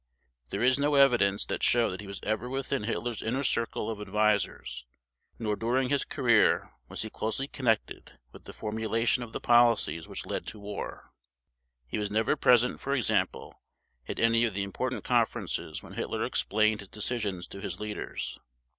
There is no evidence to show that he was ever within Hitler's inner circle of advisers; nor during his career was he closely connected with the formulation of the policies which led to war. He was never present, for example, at any of the important conferences when Hitler explained his decisions to his leaders.